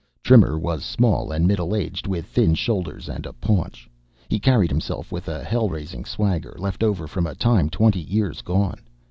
Trimmer was small and middle aged, with thin shoulders and a paunch. He carried himself with a hell raising swagger, left over from a time twenty years gone.